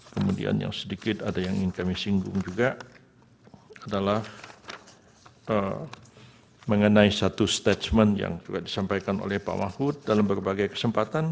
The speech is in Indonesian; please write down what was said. kemudian yang sedikit ada yang ingin kami singgung juga adalah mengenai satu statement yang juga disampaikan oleh pak mahfud dalam berbagai kesempatan